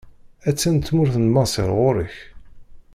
A-tt-an tmurt n Maṣer ɣur-k.